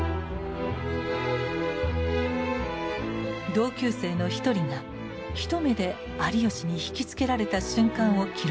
同級生の一人が一目で有吉に惹きつけられた瞬間を記録しています。